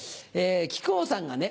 木久扇さんがね